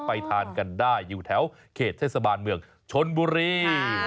ไปทานกันได้อยู่แถวเขตเทศบาลเมืองชนบุรี